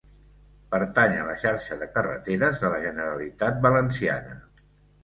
Pertany a la Xarxa de carreteres de la Generalitat Valenciana.